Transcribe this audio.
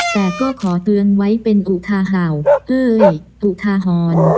แต่ก็ขอเตือนไว้เป็นอุทาห่าวเอ้ยอุทาหรณ์